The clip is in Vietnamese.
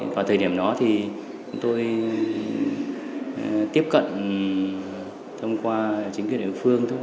và thời điểm đó thì tôi tiếp cận thông qua chính quyền địa phương